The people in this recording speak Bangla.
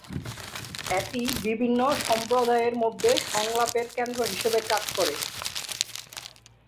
এটি বিভিন্ন সম্প্রদায়ের মধ্যে সংলাপের কেন্দ্র হিসাবে কাজ করে।